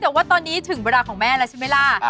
แต่ว่าตอนนี้ถึงเวลาของแม่แล้วใช่ไหมล่ะ